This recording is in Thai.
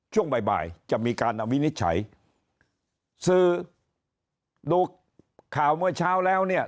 ช่วงบ่ายบ่ายจะมีการอวินิจฉัยสื่อดูข่าวเมื่อเช้าแล้วเนี่ย